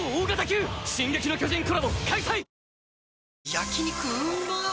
焼肉うまっ